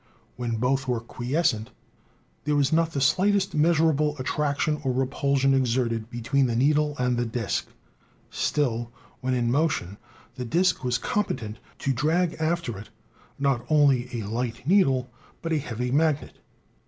When both were quiescent, there was not the slightest measurable attraction or repulsion exerted between the needle and the disk ; still, when in motion the disk was competent to drag after it not only a light needle, but a heavy magnet.